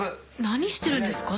何してるんですか？